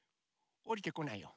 おりてこないよ。